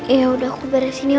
yaudah aku bareng sini oma